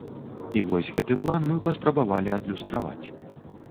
І вось гэты план мы паспрабавалі адлюстраваць.